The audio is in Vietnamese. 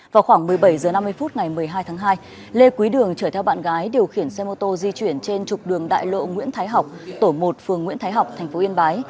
vào khoảng một mươi bảy h năm mươi phút ngày một mươi hai tháng hai lê quý đường chở theo bạn gái điều khiển xe mô tô di chuyển trên trục đường đại lộ nguyễn thái học tổ một phường nguyễn thái học tp yên bái